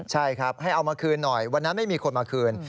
ใช่ครับให้เอามาคืนหน่อยวันนั้นไม่มีคนมาคืน